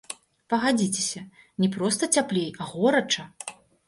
Пагадзіцеся, не проста цяплей, а горача!